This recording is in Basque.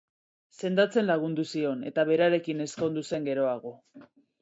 Sendatzen lagundu zion eta berarekin ezkondu zen geroago.